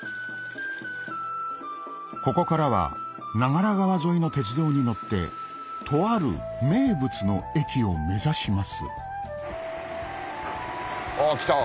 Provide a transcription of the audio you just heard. ここからは長良川沿いの鉄道に乗ってとある名物の駅を目指しますあっ来た。